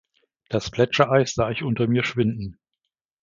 Das Gletschereis sah ich unter mir schwinden.